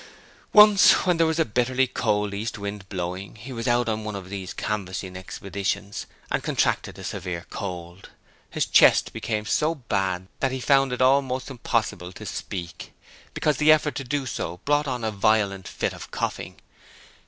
Once, when there was a bitterly cold east wind blowing, he was out on one of these canvassing expeditions and contracted a severe cold: his chest became so bad that he found it almost impossible to speak, because the effort to do so often brought on a violent fit of coughing.